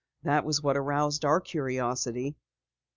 "That was what aroused our curiosity."